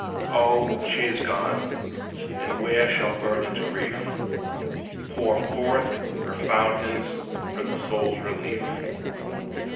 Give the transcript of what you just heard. O! she is gone; and where shall burdened grief Pour forth her fountains for the soul's relief?